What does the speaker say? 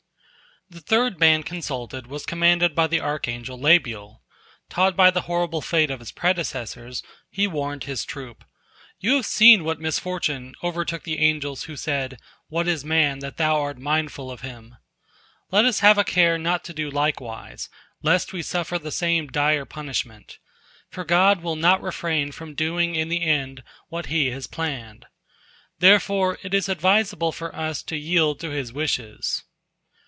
The third band consulted was commanded by the archangel Labbiel. Taught by the horrible fate of his predecessors, he warned his troop: "You have seen what misfortune overtook the angels who said 'What is man, that Thou art mindful of him?' Let us have a care not to do likewise, lest we suffer the same dire punishment. For God will not refrain from doing in the end what He has planned. Therefore it is advisable for us to yield to His wishes."